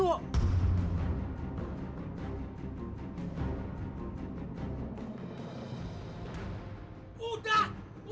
sudah pusing aja anak itu